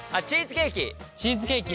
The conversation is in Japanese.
チーズケーキ。